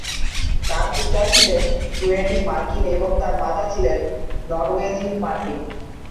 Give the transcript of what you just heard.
তার পিতা ছিলেন সুয়েডীয়-মার্কিন এবং তার মাতা ছিলেন নরওয়েজীয়-মার্কিন।